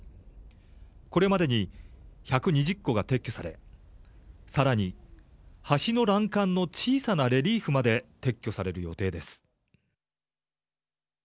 これまでに１２０個が撤去されさらに、橋の欄干の小さなレリーフまで撤去される予定です。